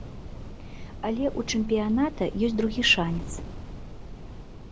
Але ў чэмпіяната ёсць другі шанец.